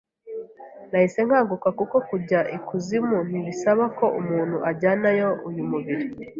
nahise nkanguka kuko kujya I kuzimu ntibisaba ko umuntu ajyanayo uyu mubiri